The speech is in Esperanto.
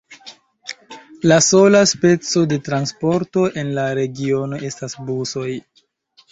La sola speco de transporto en la regiono estas busoj.